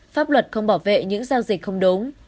pháp luật không bảo vệ những giao dịch không đúng